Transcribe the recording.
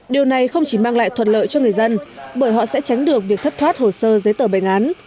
điều này không chỉ mang lại thuận lợi cho người dân bởi họ sẽ tránh được việc thất thoát hồ sơ giấy tờ bệnh án